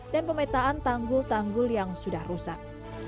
dan pemetaan tanggul tanggul yang sudah rusak